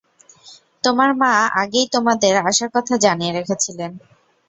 তোমার মা আগেই তোমাদের আসার কথা জানিয়ে রেখেছিলেন।